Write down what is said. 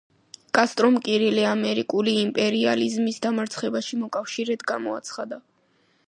კასტრომ კირილე ამერიკული იმპერიალიზმის დამარცხებაში მოკავშირედ გამოაცხადა.